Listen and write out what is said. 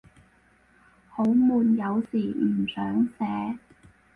好悶，有時唔想寫